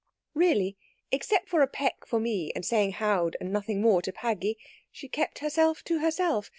Really, except a peck for me and saying howd and nothing more to Paggy, she kept herself to herself.